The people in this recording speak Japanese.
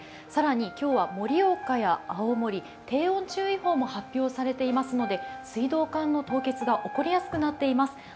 更に今日は盛岡や青森、低温注意報も発表されていますので水道管の凍結が起こりやすくなっています。